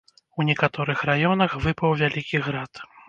У некаторых раёнах выпаў вялікі град.